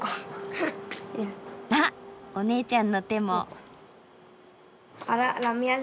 あっお姉ちゃんの手も。